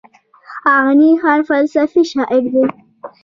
غني خان فلسفي شاعر دی.